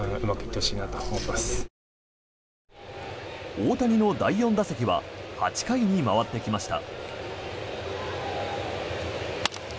大谷の第４打席は８回に回ってきました。